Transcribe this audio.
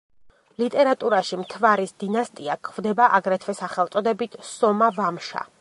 ლიტერატურაში მთვარის დინასტია გვხვდება, აგრეთვე, სახელწოდებით „სომა–ვამშა“.